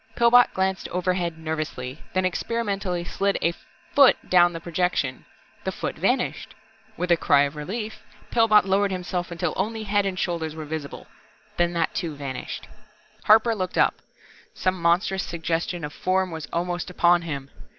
Pillbot glanced overhead nervously, then experimentally slid a font down the projection. The foot vanished. With a cry of relief, Pillbot lowered himself until only head and shoulders were visible. Then that too vanished. Harper looked up. Some monstrous suggestion of Form was almost upon him.